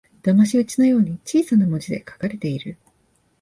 だまし討ちのように小さな文字で書かれている